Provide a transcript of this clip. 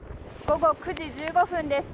午後９時１５分です。